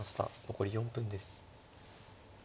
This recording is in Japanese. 残り４分です。